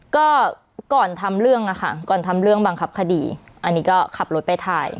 ก็ก่อนทำเรื่องอะค่ะก่อนทำเรื่องบังคับคดีอันนี้ก็ขับรถไปถ่าย